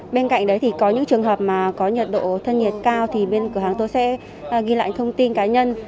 bên cạnh đấy thì có những trường hợp mà có nhiệt độ thân nhiệt cao thì bên cửa hàng tôi sẽ ghi lại thông tin cá nhân